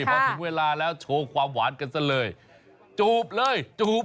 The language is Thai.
พอถึงเวลาแล้วโชว์ความหวานกันซะเลยจูบเลยจูบ